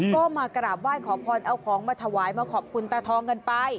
ก็มากราบไหว้ขอพรเอาของมาถวายมาขอบคุณตาทองกันไป